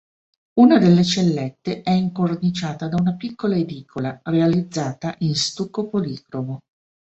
Una delle cellette è incorniciata da una piccola edicola realizzata in stucco policromo.